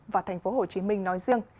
và thành phố hồ chí minh nói riêng